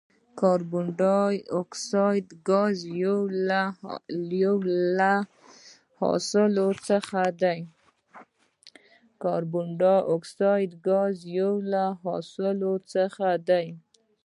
کاربن ډای اکساید ګاز یو له حاصلو څخه دی.